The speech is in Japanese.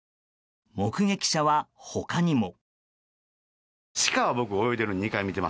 目撃者は、他にも。